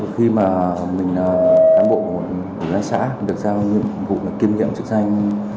khi mà mình là cán bộ của giá xã mình được giao nhiệm vụ kiên nghiệm chức danh